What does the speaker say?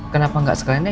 kenapa nggak sekalian ya